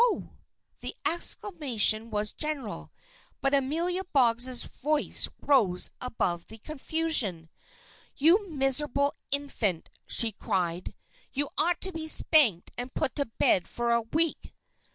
"Oh!" The exclamation was general. But Amelia Boggs' voice rose above the confusion. "You miserable infant!" she cried. "You ought to be spanked and put to bed for a week!"